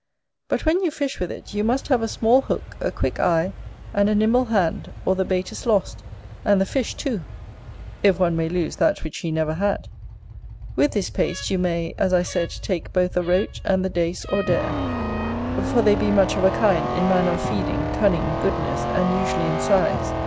But when you fish with it, you must have a small hook, a quick eye, and a nimble hand, or the bait is lost, and the fish too; if one may lose that which he never had. With this paste you may, as I said, take both the Roach and the Dace or Dare; for they be much of a kind, in manner of feeding, cunning, goodness, and usually in size.